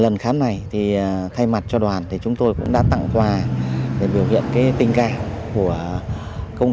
lần khám này thì thay mặt cho đoàn thì chúng tôi cũng đã tặng quà để biểu hiện cái tình cảm của đồng chí